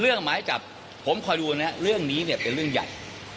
หมายจับผมคอยดูนะเรื่องนี้เนี่ยเป็นเรื่องใหญ่